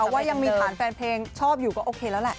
ว่ายังมีฐานแฟนเพลงชอบอยู่ก็โอเคแล้วแหละ